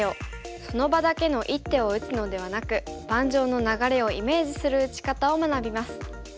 その場だけの一手を打つのではなく盤上の流れをイメージする打ち方を学びます。